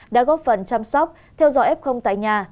đã góp phần chăm sóc theo dõi ép không tại nhà